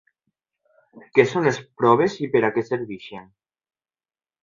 Què són les proves i per a què serveixen?